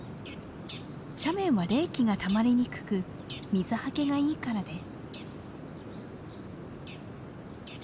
斜面は冷気がたまりにくく水はけがいいからです。